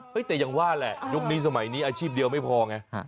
แต่ยังว่าแหละยุคนี้สมัยนี้อาชีพเดียวไม่พอไง